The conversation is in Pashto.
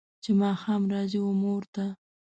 چې ماښام راځي و مور ته